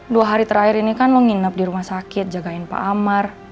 dua hari terakhir ini kan menginap di rumah sakit jagain pak amar